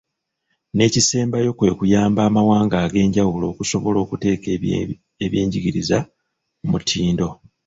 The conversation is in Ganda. N'ekisembayo kwe kuyamba amawanga ag'enjawulo okusobola okuteeka ebyenjigiriza ku mutindo.